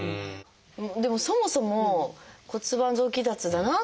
でもそもそも「骨盤臓器脱だな」